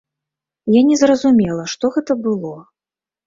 Я не зразумела, што гэта было.